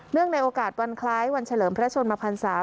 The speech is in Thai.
เนื่องในโอกาสวันคล้ายวันเฉลิมพระชนมภัณฑ์ศาสตร์